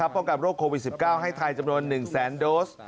โปรกรัมโรคโควิด๑๙ให้ไทยจำนวน๑๐๐๐๐๐โดส